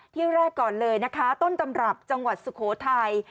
ที่แรกก่อนเลยนะคะต้นตำรับจังหวัดสุโขทัย